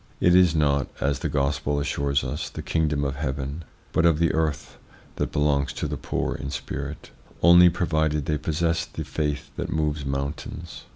It is not, as the Gospel assures us, the kingdom of heaven, but of the earth, that belongs to the poor in spirit, only provided they possess the faith that moves mountains.